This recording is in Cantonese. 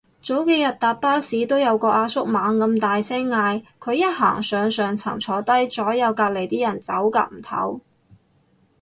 早幾日搭巴士都有個阿叔猛咁大聲嗌，佢一行上上層坐低，左右隔離啲人走夾唔唞